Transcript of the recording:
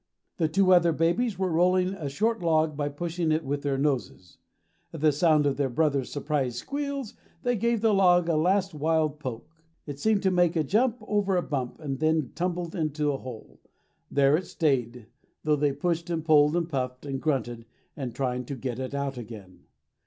The two other babies were rolling a short log by pushing it with their noses. At the sound of their brother's surprised squeals they gave the log a last wild poke. It seemed to make a jump over a bump, and then tumbled into a hole. There it stayed, though they pushed and pulled and puffed and grunted in trying to get it out again.